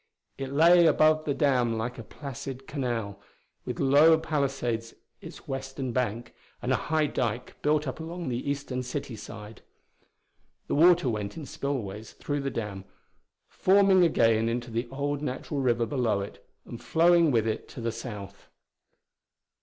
It lay above the dam like a placid canal, with low palisades its western bank and a high dyke built up along the eastern city side. The water went in spillways through the dam, forming again into the old natural river below it and flowing with it to the south.